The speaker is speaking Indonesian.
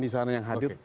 di sana yang hadir